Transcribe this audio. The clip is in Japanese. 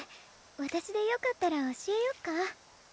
私でよかったら教えよっか？